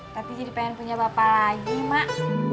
tapi jadi pengen punya bapak lagi mak